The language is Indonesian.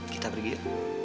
kita pergi ya